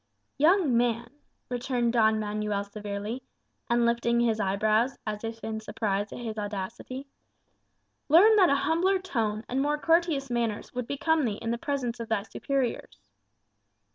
"Young man," returned Don Manuel severely, and lifting his eyebrows as if in surprise at his audacity, "learn that a humbler tone and more courteous manners would become thee in the presence of thy superiors."